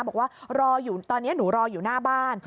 บอกว่ารออยู่ตอนนี้หนูรออยู่หน้าบ้าน